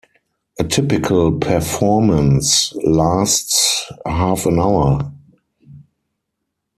A typical performance lasts half an hour.